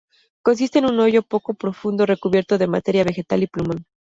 Consiste en un hoyo poco profundo recubierto de materia vegetal y plumón.